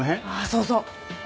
そうそう。